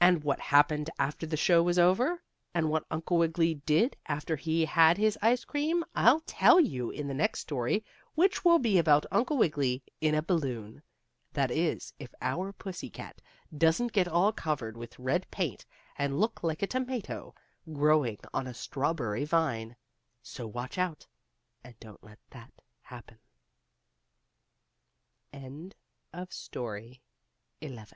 And what happened after the show was over, and what Uncle Wiggily did after he had his ice cream, I'll tell you in the next story which will be about Uncle Wiggily in a balloon. That is, if our pussy cat doesn't get all covered with red paint, and look like a tomato growing on a strawberry vine. So watch out, and don't let that happen. STORY XII UNCLE W